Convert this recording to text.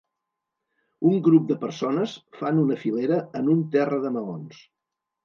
Un grup de persones fan una filera en un terra de maons.